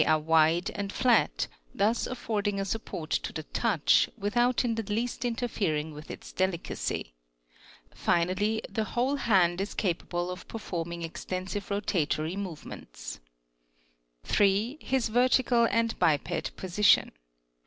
29 are wide and flat, thus affording a support to the touch, without in the least interfering with its delicacy; finally, the whole hand is capable of performing extensive rotatory movements. 5. His vertical and biped position.